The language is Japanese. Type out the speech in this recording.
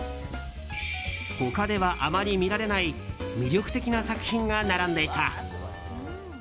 他ではあまり見られない魅力的な作品が並んでいた。